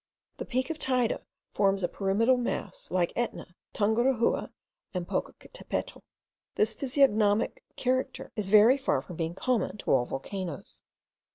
The peak of Teyde forms a pyramidal mass like Etna, Tungurahua, and Popocatepetl. This physiognomic character is very far from being common to all volcanoes.